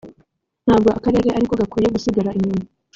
ntabwo Akarere ariko gakwiye gusigara inyuma